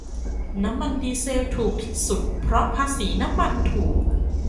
น้ำมันดีเซลถูกที่สุดเพราะภาษีน้ำมันถูก